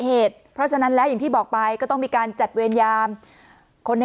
เหตุเพราะฉะนั้นแล้วอย่างที่บอกไปก็ต้องมีการจัดเวรยามคนใน